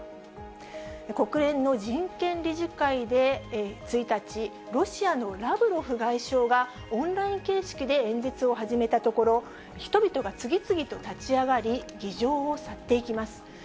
国連の人権理事会で１日、ロシアのラブロフ外相がオンライン形式で演説を始めたところ、人々が次々と立ち上がり、議場を去っていきます。